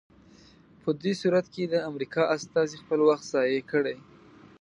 په دې صورت کې د امریکا استازي خپل وخت ضایع کړی.